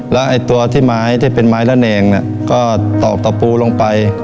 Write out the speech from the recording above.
และตัวที่เป็นไม้ระแนงก็ตอกตะปูลงไป